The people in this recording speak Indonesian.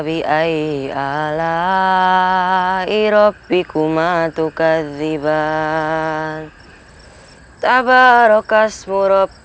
iya biong sebentar